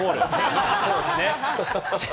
そうですね。